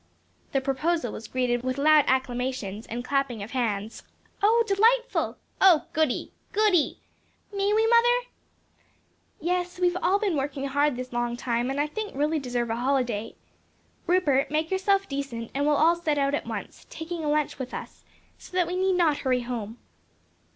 The proposal was greeted with loud acclamations and clapping of hands. "Oh, delightful!" "Oh goodie! goodie!" "May we mother?" "Yes; we've all been working hard this long time, and I think really deserve a holiday. Rupert, make yourself decent and we'll set out at once, taking a lunch with us, so that we need not hurry home."